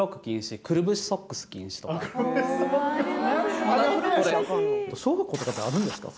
懐かしい小学校とかってあるんですか？